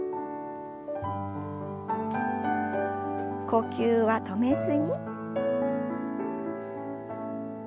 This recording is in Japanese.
呼吸は止めずに。